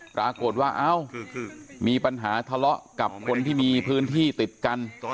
ปรากฏว่าเอ้ามีปัญหาทะเลาะกับคนที่มีพื้นที่ติดกัน